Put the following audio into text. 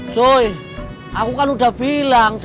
joy aku kan udah bilang